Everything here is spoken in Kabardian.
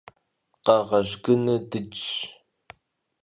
Къэгъэжь гыну дыджщ.